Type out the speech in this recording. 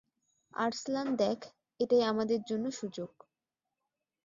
আর্সলান দেখ, এটাই আমাদের জন্য সুযোগ।